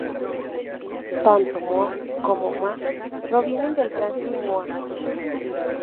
Tanto ま como マ provienen del kanji 末.